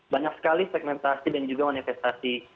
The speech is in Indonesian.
banyak sekali segmentasi dan juga manifestasi